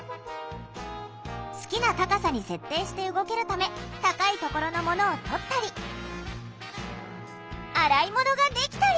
好きな高さに設定して動けるため高いところのものを取ったり洗い物ができたり。